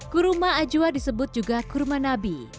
kurma ajwa disebut juga kurma nabi